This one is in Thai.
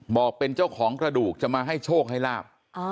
บอกเป็นเจ้าของกระดูกจะมาให้โชคให้ลาบ